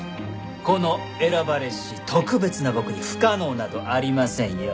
この選ばれし特別な僕に不可能などありませんよ。